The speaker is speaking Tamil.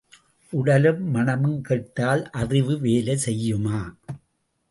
உடலும் மனமும் கெட்டால் அறிவு வேலை செய்யுமா?